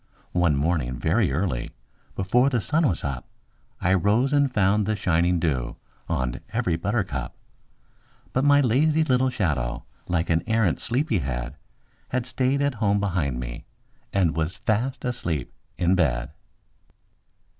MY SHADOW [Pg 21] One morning, very early, before the sun was up, I rose and found the shining dew on every buttercup; But my lazy little shadow, like an arrant sleepy head, Had stayed at home behind me and was fast asleep in bed.